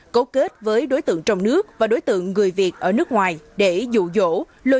cấu kết với đối tượng trong nước và đối tượng người việt ở nước ngoài để dụ dỗ